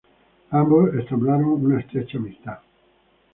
Ambos entablaron una estrecha amistad.